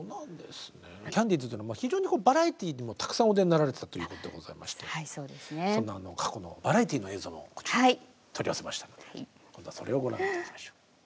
キャンディーズというのは非常にバラエティーにもたくさんお出になられていたということでございましてそんな過去のバラエティーの映像もこちらに取り寄せましたので今度はそれをご覧いただきましょう。